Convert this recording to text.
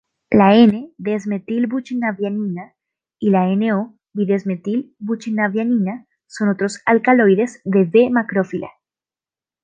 La "N"-desmetilbuchenavianina, y la "N","O"-bisdesmetilbuchenavianina son otros alcaloides de "B. macrophylla"